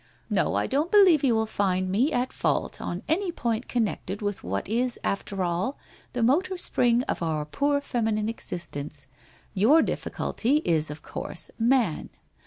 No, I don't believe you will find me at fault on any point connected with what is after all the motor spring of our poor feminine existence. Your difficulty is of course, Man.